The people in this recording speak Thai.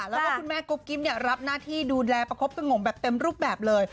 แล้วก็คุณแม่กุ๊กกิ๊บรับหน้าที่ดูแลประคบสงบแบบเต็มรูปแบบเลย